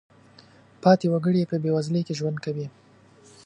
پاتې وګړي په بېوزلۍ کې ژوند کوي.